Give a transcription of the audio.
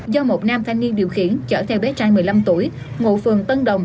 do một nam thanh niên điều khiển chở theo bé trai một mươi năm tuổi ngụ phường tân đồng